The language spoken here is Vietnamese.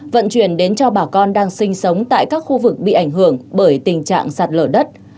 vận chuyển đến cho bà con đang sinh sống tại các khu vực bị ảnh hưởng bởi tình trạng sạt lở đất